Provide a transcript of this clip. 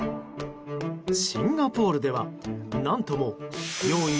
シンガポールでは何とも用意